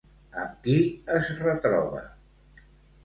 Amb qui es retroba?